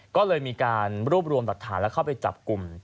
ก็เลยมีการรวบรวมหลักฐานและเข้าไปจับกลุ่ม